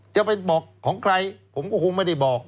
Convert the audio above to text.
จะไปบอกของใครผมก็คงไม่ได้บอก